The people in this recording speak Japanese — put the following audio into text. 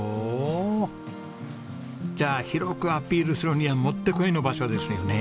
じゃあ広くアピールするにはもってこいの場所ですよね。